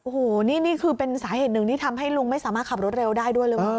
โอ้โหนี่คือเป็นสาเหตุหนึ่งที่ทำให้ลุงไม่สามารถขับรถเร็วได้ด้วยเลย